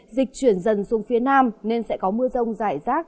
dịch chuyển dần xuống phía nam nên sẽ có mưa rông rải rác